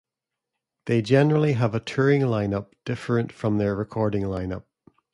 They generally have a touring lineup different from their recording lineup.